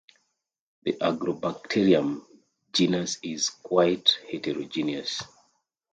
The "Agrobacterium" genus is quite heterogeneous.